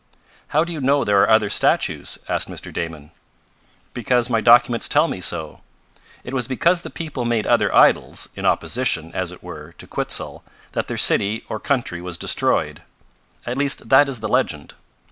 "How do you know there are other statues?" asked Mr. Damon. "Because my documents tell me so. It was because the people made other idols, in opposition, as it were, to Quitzel, that their city or country was destroyed. At least that is the legend.